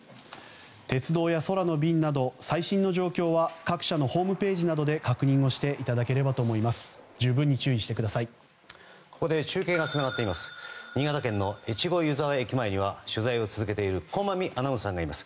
鉄道や空の便など最新の状況は各社のホームページなどで確認していただければと思います。